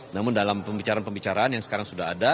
namun dalam pembicaraan pembicaraan yang sekarang sudah ada